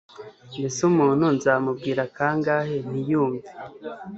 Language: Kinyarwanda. Mbese Umuntu nzamubwira kangahe ntiyumve